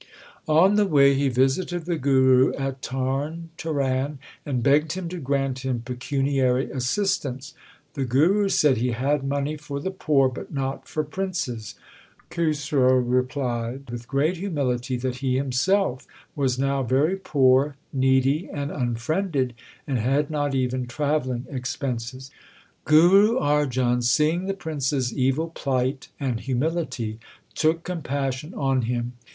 On the way he visited the Guru at Tarn Taran and begged him to grant him pecuniary assistance. The Guru said he had money for the poor, but not for princes. Khusro replied with great humility that he himself was now very poor, needy, and unfriended, and had not even travelling expenses. Guru Arjan, seeing the Prince s evil plight and humility, took compassion on him.